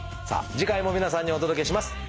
さあ次回も皆さんにお届けします。